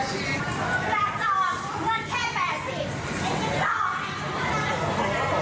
เจ๋งมากครับเจ๋งที่สุดละครับ